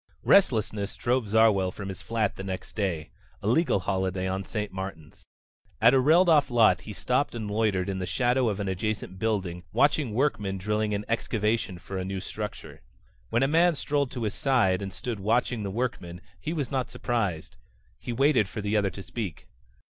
Restlessness drove Zarwell from his flat the next day a legal holiday on St. Martin's. At a railed off lot he stopped and loitered in the shadow of an adjacent building watching workmen drilling an excavation for a new structure. When a man strolled to his side and stood watching the workmen, he was not surprised. He waited for the other to speak.